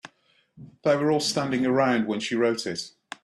They were all standing around when she wrote it.